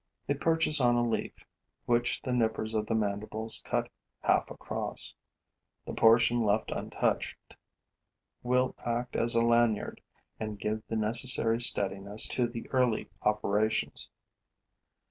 It perches on a leaf, which the nippers of the mandibles cut half across. The portion left untouched will act as a lanyard and give the necessary steadiness to the early operations.